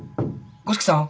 五色さん！